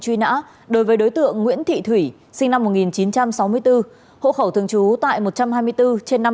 truy nã đối với đối tượng nguyễn thị thủy sinh năm một nghìn chín trăm sáu mươi bốn hộ khẩu thường trú tại một trăm hai mươi bốn trên năm mươi bốn